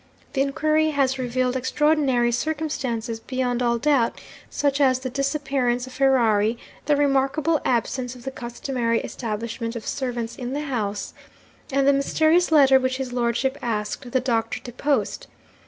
The inquiry has revealed extraordinary circumstances beyond all doubt such as the disappearance of Ferrari, the remarkable absence of the customary establishment of servants in the house, and the mysterious letter which his lordship asked the doctor to post.